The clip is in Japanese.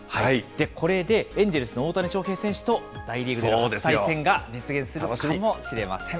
これでエンジェルスの大谷翔平選手と、大リーグでの初対戦が実現するかもしれません。